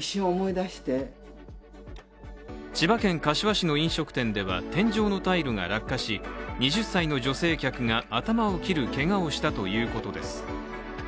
千葉県柏市の飲食店では天井のタイルが落下し２０歳の女性客が頭を切るけがをしたということです。